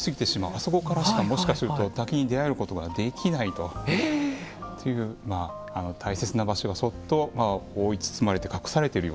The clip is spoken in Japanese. あそこからしかもしかすると滝に出会えることができないと。という大切な場所がそっと覆い包まれて隠されてるような。